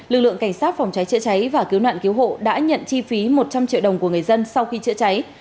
lực lượng cảnh sát phòng cháy chữa cháy và cứu nạn cứu hộ đã nhận chi phí một trăm linh triệu đồng của người dân sau khi chữa cháy